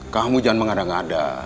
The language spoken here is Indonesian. kamu jangan mengada ngada